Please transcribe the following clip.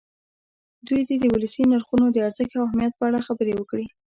دوی دې د ولسي نرخونو د ارزښت او اهمیت په اړه خبرې وکړي.